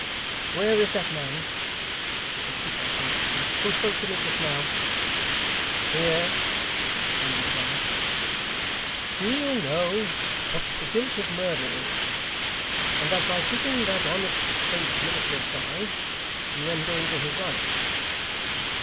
'Where is that man,' said the keeper, anxiously, 'who spoke to me just now?' 'Here!' Hugh replied. 'Do you know what the guilt of murder is, and that by keeping that honest tradesman at your side you endanger his life!